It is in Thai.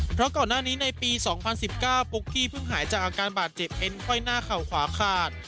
เพราะก่อนหน้านี้ในปี๒๐๑๙ปุ๊กกี้เพิ่งหายจากอาการบาดเจ็บเอ็นค่อยหน้าเข่าขวาขาด